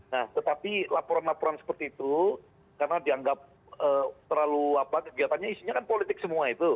nah tetapi laporan laporan seperti itu karena dianggap terlalu apa kegiatannya isinya kan politik semua itu